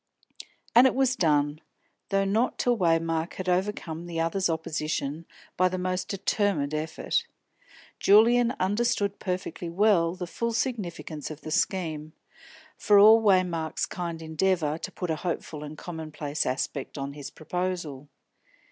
_" And it was done, though not till Waymark had overcome the other's opposition by the most determined effort. Julian understood perfectly well the full significance of the scheme, for all Waymark's kind endeavour to put a hopeful and commonplace aspect on his proposal.